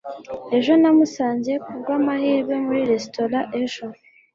ejo namusanze kubwamahirwe muri resitora ejo